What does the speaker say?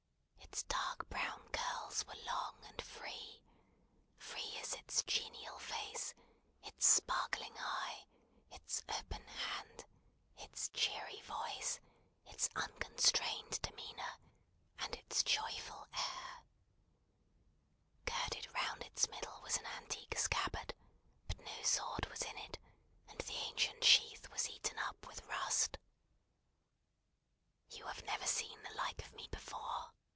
Its dark brown curls were long and free; free as its genial face, its sparkling eye, its open hand, its cheery voice, its unconstrained demeanour, and its joyful air. Girded round its middle was an antique scabbard; but no sword was in it, and the ancient sheath was eaten up with rust. "You have never seen the like of me before!"